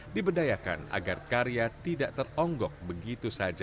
diberdayakan agar karya tidak teronggok begitu saja